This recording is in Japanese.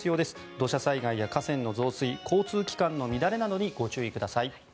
土砂災害や河川の増水交通機関の乱れなどにご注意ください。